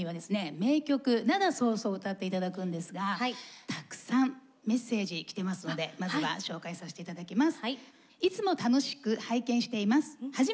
名曲「涙そうそう」を歌って頂くんですがたくさんメッセージ来てますのでまずは紹介さして頂きます。